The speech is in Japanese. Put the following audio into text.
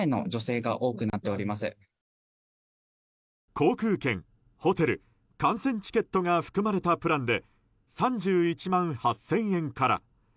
航空券、ホテル観戦チケットが含まれたプランで３１万８０００円から。